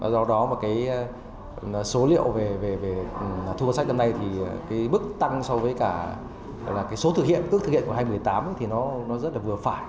do đó mà số liệu về thu ngân sách năm nay thì bức tăng so với cả số thực hiện bức thực hiện của hai nghìn một mươi tám thì nó rất là vừa phải